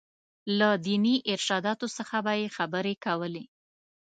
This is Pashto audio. له ديني ارشاداتو څخه به یې خبرې کولې.